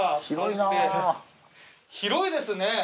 広いですね！